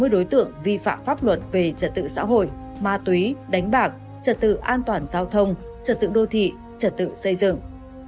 sáu mươi đối tượng vi phạm pháp luật về trật tự xã hội ma túy đánh bạc trật tự an toàn giao thông trật tự đô thị trật tự xây dựng